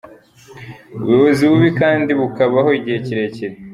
Ubuyobozi bubi kandi bukabaho igihe kirekire.